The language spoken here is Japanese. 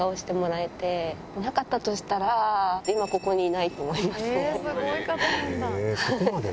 いなかったとしたら、今ここにいないと思います。